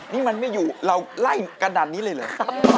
นี่มันไม่อยู่เราไล่กระดาษนี้เลยเหรอ